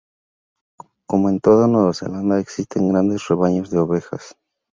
Como en toda Nueva Zelanda, existen grandes rebaños de ovejas.